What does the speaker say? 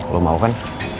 lo mau kan